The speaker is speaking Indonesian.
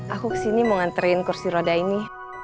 aku kesini mau nganterin kursi roda ini